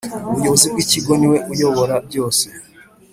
Umuyobozi w Ikigo ni we uyobora byose